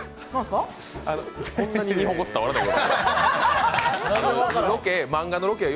こんなに日本語が伝わらないとは。